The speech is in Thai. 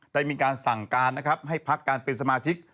ได้มีการสั่งการนะครับให้พักการเป็นสมาชิก